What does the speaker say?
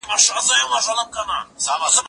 زه بايد کتابونه وليکم..